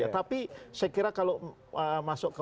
tapi saya kira kalau masuk ke